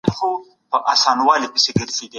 تاریخ د ټولنیزو علومو یوه مهمه څانګه ده.